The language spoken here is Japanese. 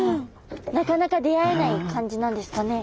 なかなか出会えない感じなんですかね。